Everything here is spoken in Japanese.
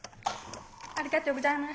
ありがとうございます」。